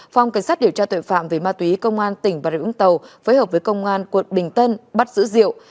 phòng cảnh sát điều tra tội phạm về ma túy công an tỉnh bà rịa úng tàu phối hợp với công an quận bình tân bắt giữ diệu